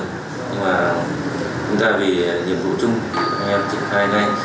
nhưng mà chúng ta vì nhiệm vụ chung anh em triển khai ngay